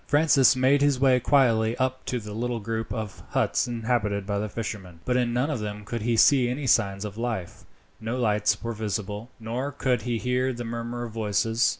Francis made his way quietly up to the little group of huts inhabited by the fishermen, but in none of them could he see any signs of life no lights were visible, nor could he hear the murmur of voices.